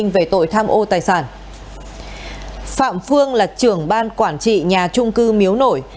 phạm phương là trưởng ban quản trị nhà trung cư miếu nổi